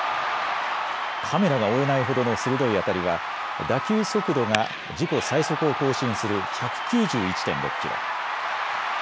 カメラが追えないほどの鋭い当たりは打球速度が自己最速を更新する１９１．６キロ。